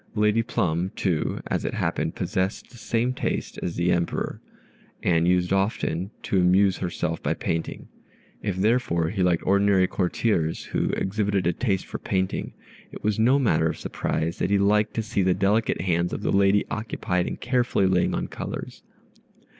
Lady Plum, too, as it happened, possessed the same taste as the Emperor, and used often to amuse herself by painting. If, therefore, he liked ordinary courtiers who exhibited a taste for painting, it was no matter of surprise that he liked to see the delicate hands of the lady occupied in carefully laying on colors.